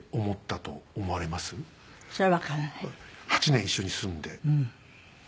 ８年一緒に住んで。